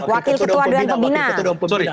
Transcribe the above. wakil ketua dewan pembina